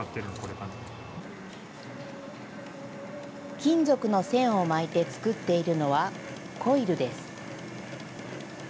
金属の線を巻いて作っているのは、コイルです。